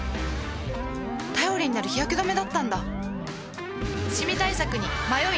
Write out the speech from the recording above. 頼りになる日焼け止めだったんだ